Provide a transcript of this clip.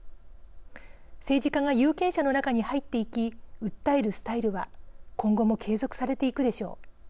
政治家が有権者の中に入っていき訴えるスタイルは今後も継続されていくでしょう。